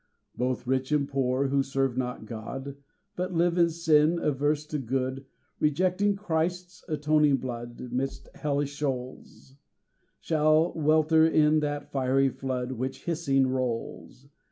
Both rich and poor, who serve not God, But live in sin, averse to good, Rejecting Christ's atoning blood, Midst hellish shoals, Shall welter in that fiery flood, Which hissing rolls.